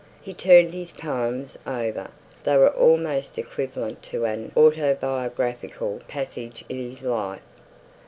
He turned his poems over: they were almost equivalent to an autobiographical passage in his life.